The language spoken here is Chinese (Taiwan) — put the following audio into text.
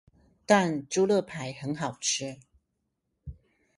但豬肋排很好吃